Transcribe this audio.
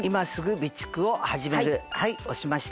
はい押しました。